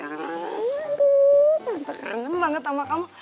rasa kangen banget sama kamu